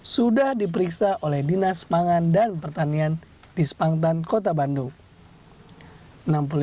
sudah diperiksa oleh dinas pangan dan pertanian di spangtan kota bandung